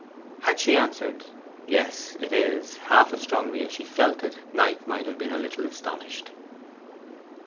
Had she answered, 'Yes, it is,' half as strongly as she felt it, Knight might have been a little astonished.